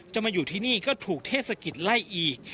มาอยู่ที่นี่ก็ถูกเทศกิจไล่อีก